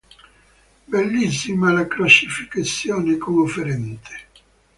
Bellissima la "Crocifissione" con offerente.